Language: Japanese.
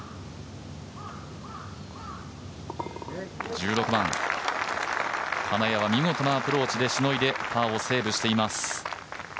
１６番、金谷は見事なアプローチでしのいでパーをセーブしています。